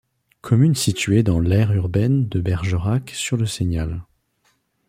Commune située dans l'aire urbaine de Bergerac sur le Seignal.